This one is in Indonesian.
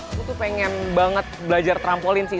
aku tuh pengen banget belajar trampolin sih